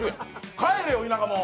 帰れよ、田舎もん！